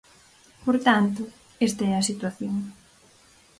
Por tanto, esta é a situación.